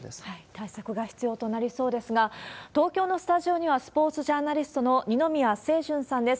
対策が必要となりそうですが、東京のスタジオには、スポーツジャーナリストの二宮清純さんです。